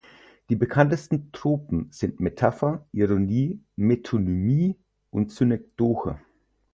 Die bekanntesten Tropen sind Metapher, Ironie, Metonymie und Synekdoche.